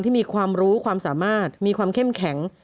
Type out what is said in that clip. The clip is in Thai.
มีความรู้ความสามารถมีความเข้มแข็ง